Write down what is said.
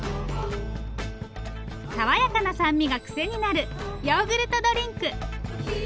爽やかな酸味がクセになるヨーグルトドリンク！